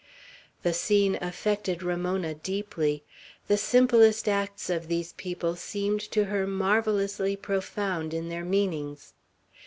The scene affected Ramona deeply. The simplest acts of these people seemed to her marvellously profound in their meanings.